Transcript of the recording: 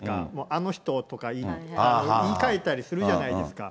あの人とか言いかえたりするじゃないですか。